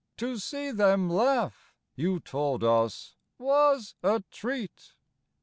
"To see them laugh," you told us, "was a treat."